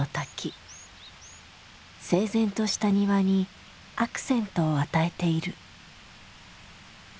整然とした庭にアクセントを与えている。